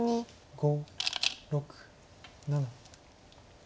５６７。